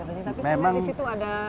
tapi sebenarnya disitu ada tiket tiket